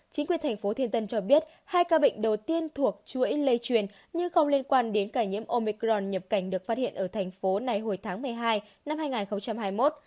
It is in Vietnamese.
chính quyền thành phố thiên tân cho biết hai ca bệnh đầu tiên thuộc chuỗi lây truyền nhưng không liên quan đến ca nhiễm omicron nhập cảnh được phát hiện ở thành phố này hồi tháng một mươi hai năm hai nghìn hai mươi một